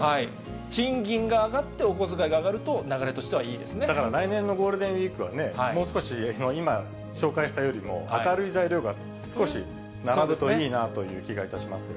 賃金が上がってお小遣いが上だから来年のゴールデンウィークはね、もう少し、今紹介したよりも明るい材料が、少し並ぶといいなという気がいたしますが。